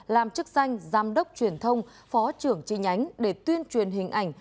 làm chức danh giám đốc truyền thông phó trưởng tri nhánh để tuyên truyền hình ảnh